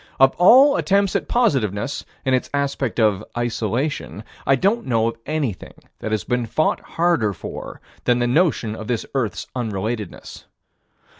Of all attempts at positiveness, in its aspect of isolation, I don't know of anything that has been fought harder for than the notion of this earth's unrelatedness.